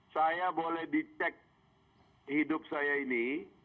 saya boleh dicek hidup saya ini